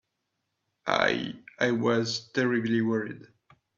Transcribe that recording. I—I was terribly worried.